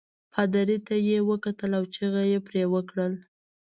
پادري ته یې وکتل او چغه يې پرې وکړل.